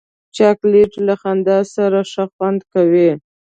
چاکلېټ له خندا سره ښه خوند کوي.